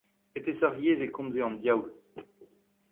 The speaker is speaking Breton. E peseurt yezh e komze an diaoul ?